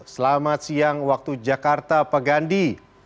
selamat siang waktu jakarta pak gandhi